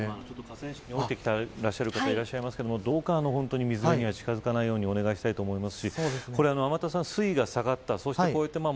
河川敷に降りてきていらっしゃる方いらっしゃいますがどうか水辺には近づかないようにお願いしたいと思います。